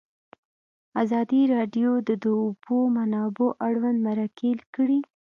ازادي راډیو د د اوبو منابع اړوند مرکې کړي.